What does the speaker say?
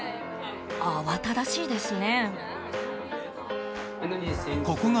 慌ただしいですね。